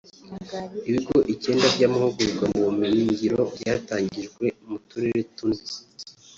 Ibigo icyenda by’amahugurwa mu bumenyi ngiro byatangijwe mu Turere tune